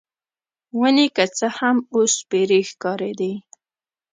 ونې که څه هم، اوس سپیرې ښکارېدې.